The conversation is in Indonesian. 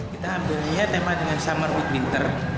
kita ambilnya sama dengan summer midwinter